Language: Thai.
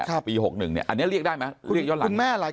อันนี้เรียกได้มั้ยเรียกเรียกหลัง